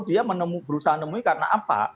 dia berusaha menemui karena apa